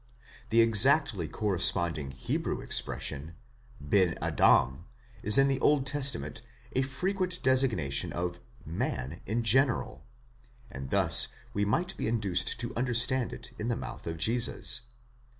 The exactly corresponding Hebrew expres sion ONX"}2 is in the Old Testament a frequent designation of man in general, and thus we might be induced to understand it in the mouth of Jesus.